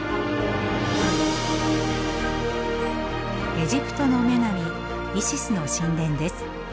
エジプトの女神イシスの神殿です。